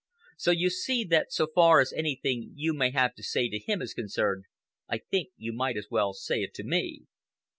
So you see that so far as anything you may have to say to him is concerned, I think you might as well say it to me."